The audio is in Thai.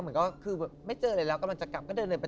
เหมือนก็คือไม่เจออะไรแล้วกำลังจะกลับก็เดินไป